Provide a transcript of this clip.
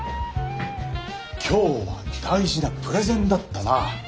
今日は大事なプレゼンだったな。